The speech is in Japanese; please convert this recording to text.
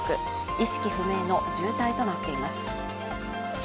意識不明の重体となっています。